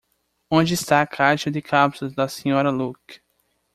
Onde está a caixa de cápsulas da Sra. Luke?